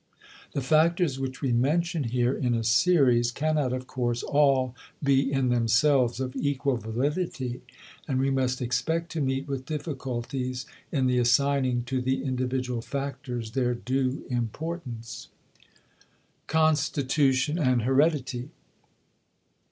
The factors which we mention here in a series cannot, of course, all be in themselves of equal validity and we must expect to meet with difficulties in the assigning to the individual factors their due importance. *Constitution and Heredity.